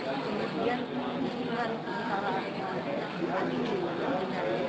dan ketika mereka berpikir